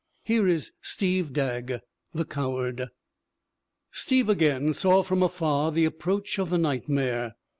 Here is Steve Dagg, the coward : "Steve again saw from afar the approach of the nightmare.